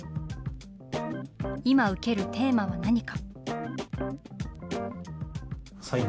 今ウケるテーマは何か。